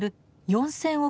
４，０００億